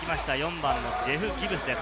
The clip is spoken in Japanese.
４番のジェフ・ギブスです。